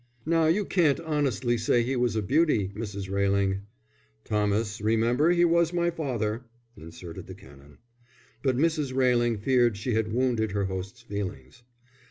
"Now, you can't honestly say he was a beauty, Mrs. Railing." "Thomas, remember he was my father," inserted the Canon. But Mrs. Railing feared she had wounded her host's feelings.